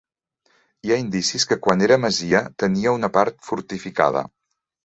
Hi ha indicis que quan era masia tenia una part fortificada.